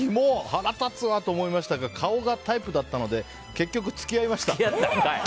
腹立つなと思いましたが顔がタイプだったので結局、付き合いました。